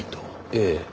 ええ。